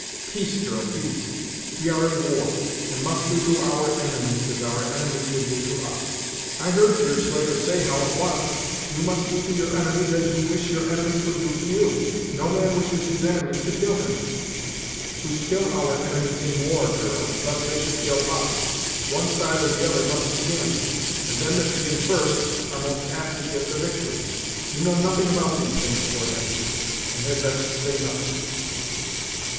"Peace, girl, peace; we are at war, and must do to our enemies as our enemies would do to us." "That's not it, father! I heard Deerslayer say how it was. You must do to your enemies as you wish your enemies would do to you. No man wishes his enemies to kill him." "We kill our enemies in war, girl, lest they should kill us. One side or the other must begin; and them that begin first, are most apt to get the victory. You know nothing about these things, poor Hetty, and had best say nothing."